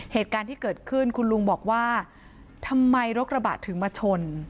เหตุการณ์ที่เกิดขึ้นคุณลุงบอกว่าทำไมรถกระบะถึงมาชน